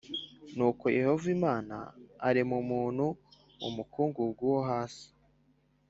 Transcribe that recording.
nuko yehova imana arema umuntu mu mukungugu wo hasi